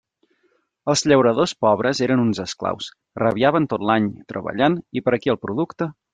Els llauradors pobres eren uns esclaus; rabiaven tot l'any treballant, i per a qui era el producte?